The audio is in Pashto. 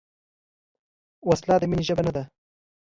وسله د مینې ژبه نه ده